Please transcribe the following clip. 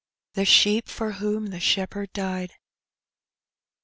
The sheep for whom the Shepherd died."